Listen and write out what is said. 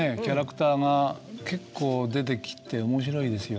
キャラクターが結構出てきて面白いですよね。